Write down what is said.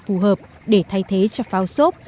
phù hợp để thay thế cho phao sốt